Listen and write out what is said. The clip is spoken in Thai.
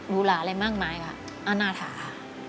ูหลาอะไรมากมายค่ะอาณาถา